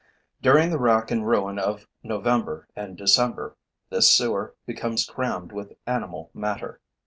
During the rack and ruin of November and December, this sewer becomes crammed with animal matter.